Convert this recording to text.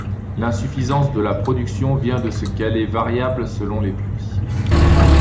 L’insuffisance de la production vient de ce qu'elle est variable selon les pluies.